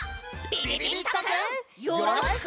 びびびっとくんよろしく！